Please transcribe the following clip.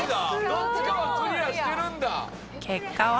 どっちかはクリアしてるんだ・